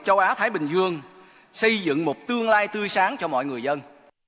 châu á thái bình dương xây dựng một tương lai tươi sáng cho mọi người dân